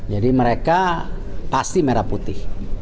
jadi mereka pasti merah putih